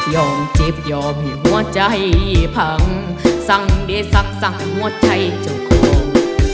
ยอมเจ็บยอมให้หัวใจพังสั่งดิสักสั่งหัวใจเจ้าโค้ง